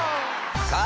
さあ